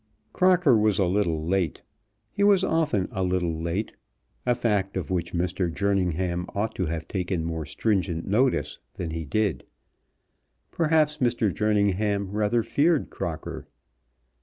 Crocker was a little late. He was often a little late, a fact of which Mr. Jerningham ought to have taken more stringent notice than he did. Perhaps Mr. Jerningham rather feared Crocker.